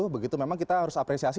begitu memang kita harus apresiasi